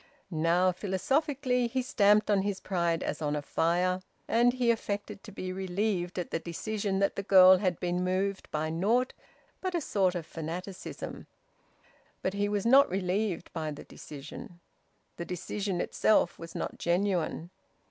Now, philosophically, he stamped on his pride as on a fire. And he affected to be relieved at the decision that the girl had been moved by naught but a sort of fanaticism. But he was not relieved by the decision. The decision itself was not genuine.